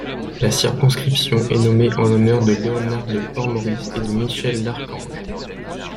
La circonscription est nommée en l'honneur de Léonard de Port-Maurice et de Michel l'Archange.